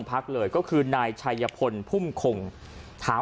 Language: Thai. ก็แค่มีเรื่องเดียวให้มันพอแค่นี้เถอะ